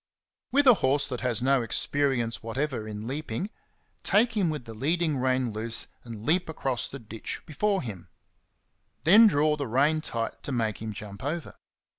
With a horse that has no experience what ever in leaping, take him with the leading rein loose and leap across the ditch before him; then draw the rein tight to make him jump over.